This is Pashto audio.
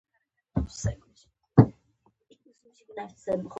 افغانستان د بادي انرژي له مخې پېژندل کېږي.